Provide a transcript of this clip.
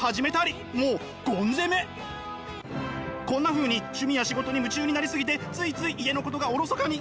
こんなふうに趣味や仕事に夢中になり過ぎてついつい家のことがおろそかに。